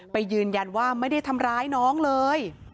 ไปยืนยันว่าไม่ได้ทำร้ายน้องเลย